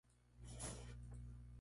J. J. Viamonte, Tte, Cnel.